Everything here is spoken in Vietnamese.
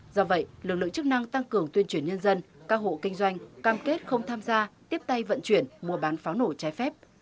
do vậy lực lượng chức năng tăng cường tuyên truyền nhân dân các hộ kinh doanh cam kết không tham gia tiếp tay vận chuyển mua bán pháo nổ trái phép